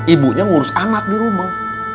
ibunya ngurus anak di rumah